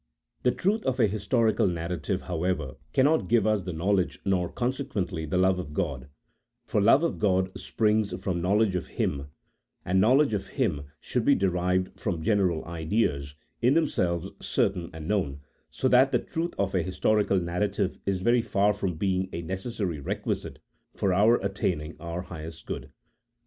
The truth of a historical narrative, however assured, can not give us the knowledge nor consequently the love of God, for love of God springs from knowledge of Him, and knowledge of Him should be derived from general ideas, in themselves certain and known, so that the truth of a his torical narrative is very far from being a necessary requisite for our attaining our highest good.